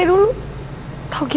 aku mau pergi